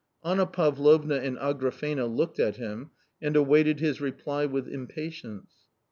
Anna Pavlovna and Agrafena looked at him and awaked his reply with impatience.